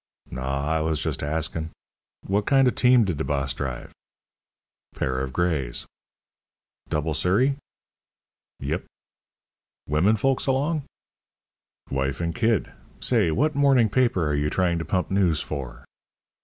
"Naw, I was just askin'. Wot kind o' team did de boss drive?" "Pair of grays." "Double surrey?" "Yep." "Women folks along?" "Wife and kid. Say, what morning paper are you trying to pump news for?"